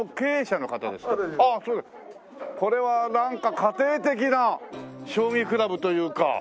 これはなんか家庭的な将棋クラブというか。